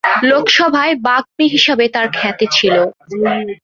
লোকসভায় বাগ্মী হিসেবে তার খ্যাতি ছিল।